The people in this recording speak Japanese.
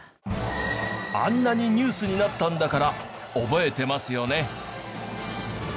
あんなにニュースになったんだから覚えてますよね？